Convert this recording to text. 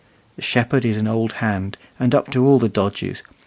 The shepherd is an old hand, and up to all the dodges.